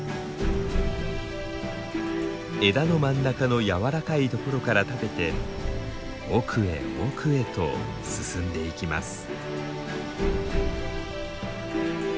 枝の真ん中のやわらかいところから食べて奥へ奥へと進んでいきます。